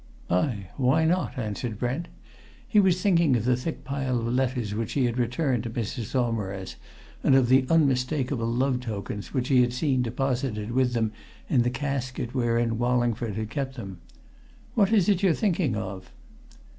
"Ay. Why not?" answered Brent. He was thinking of the thick pile of letters which he had returned to Mrs. Saumarez and of the unmistakable love tokens which he had seen deposited with them in the casket wherein Wallingford had kept them. "What is it you're thinking of?"